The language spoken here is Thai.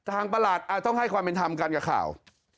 ประหลัดอาจต้องให้ความเป็นธรรมกันกับข่าว